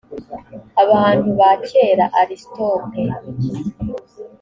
abantu ba kera aristote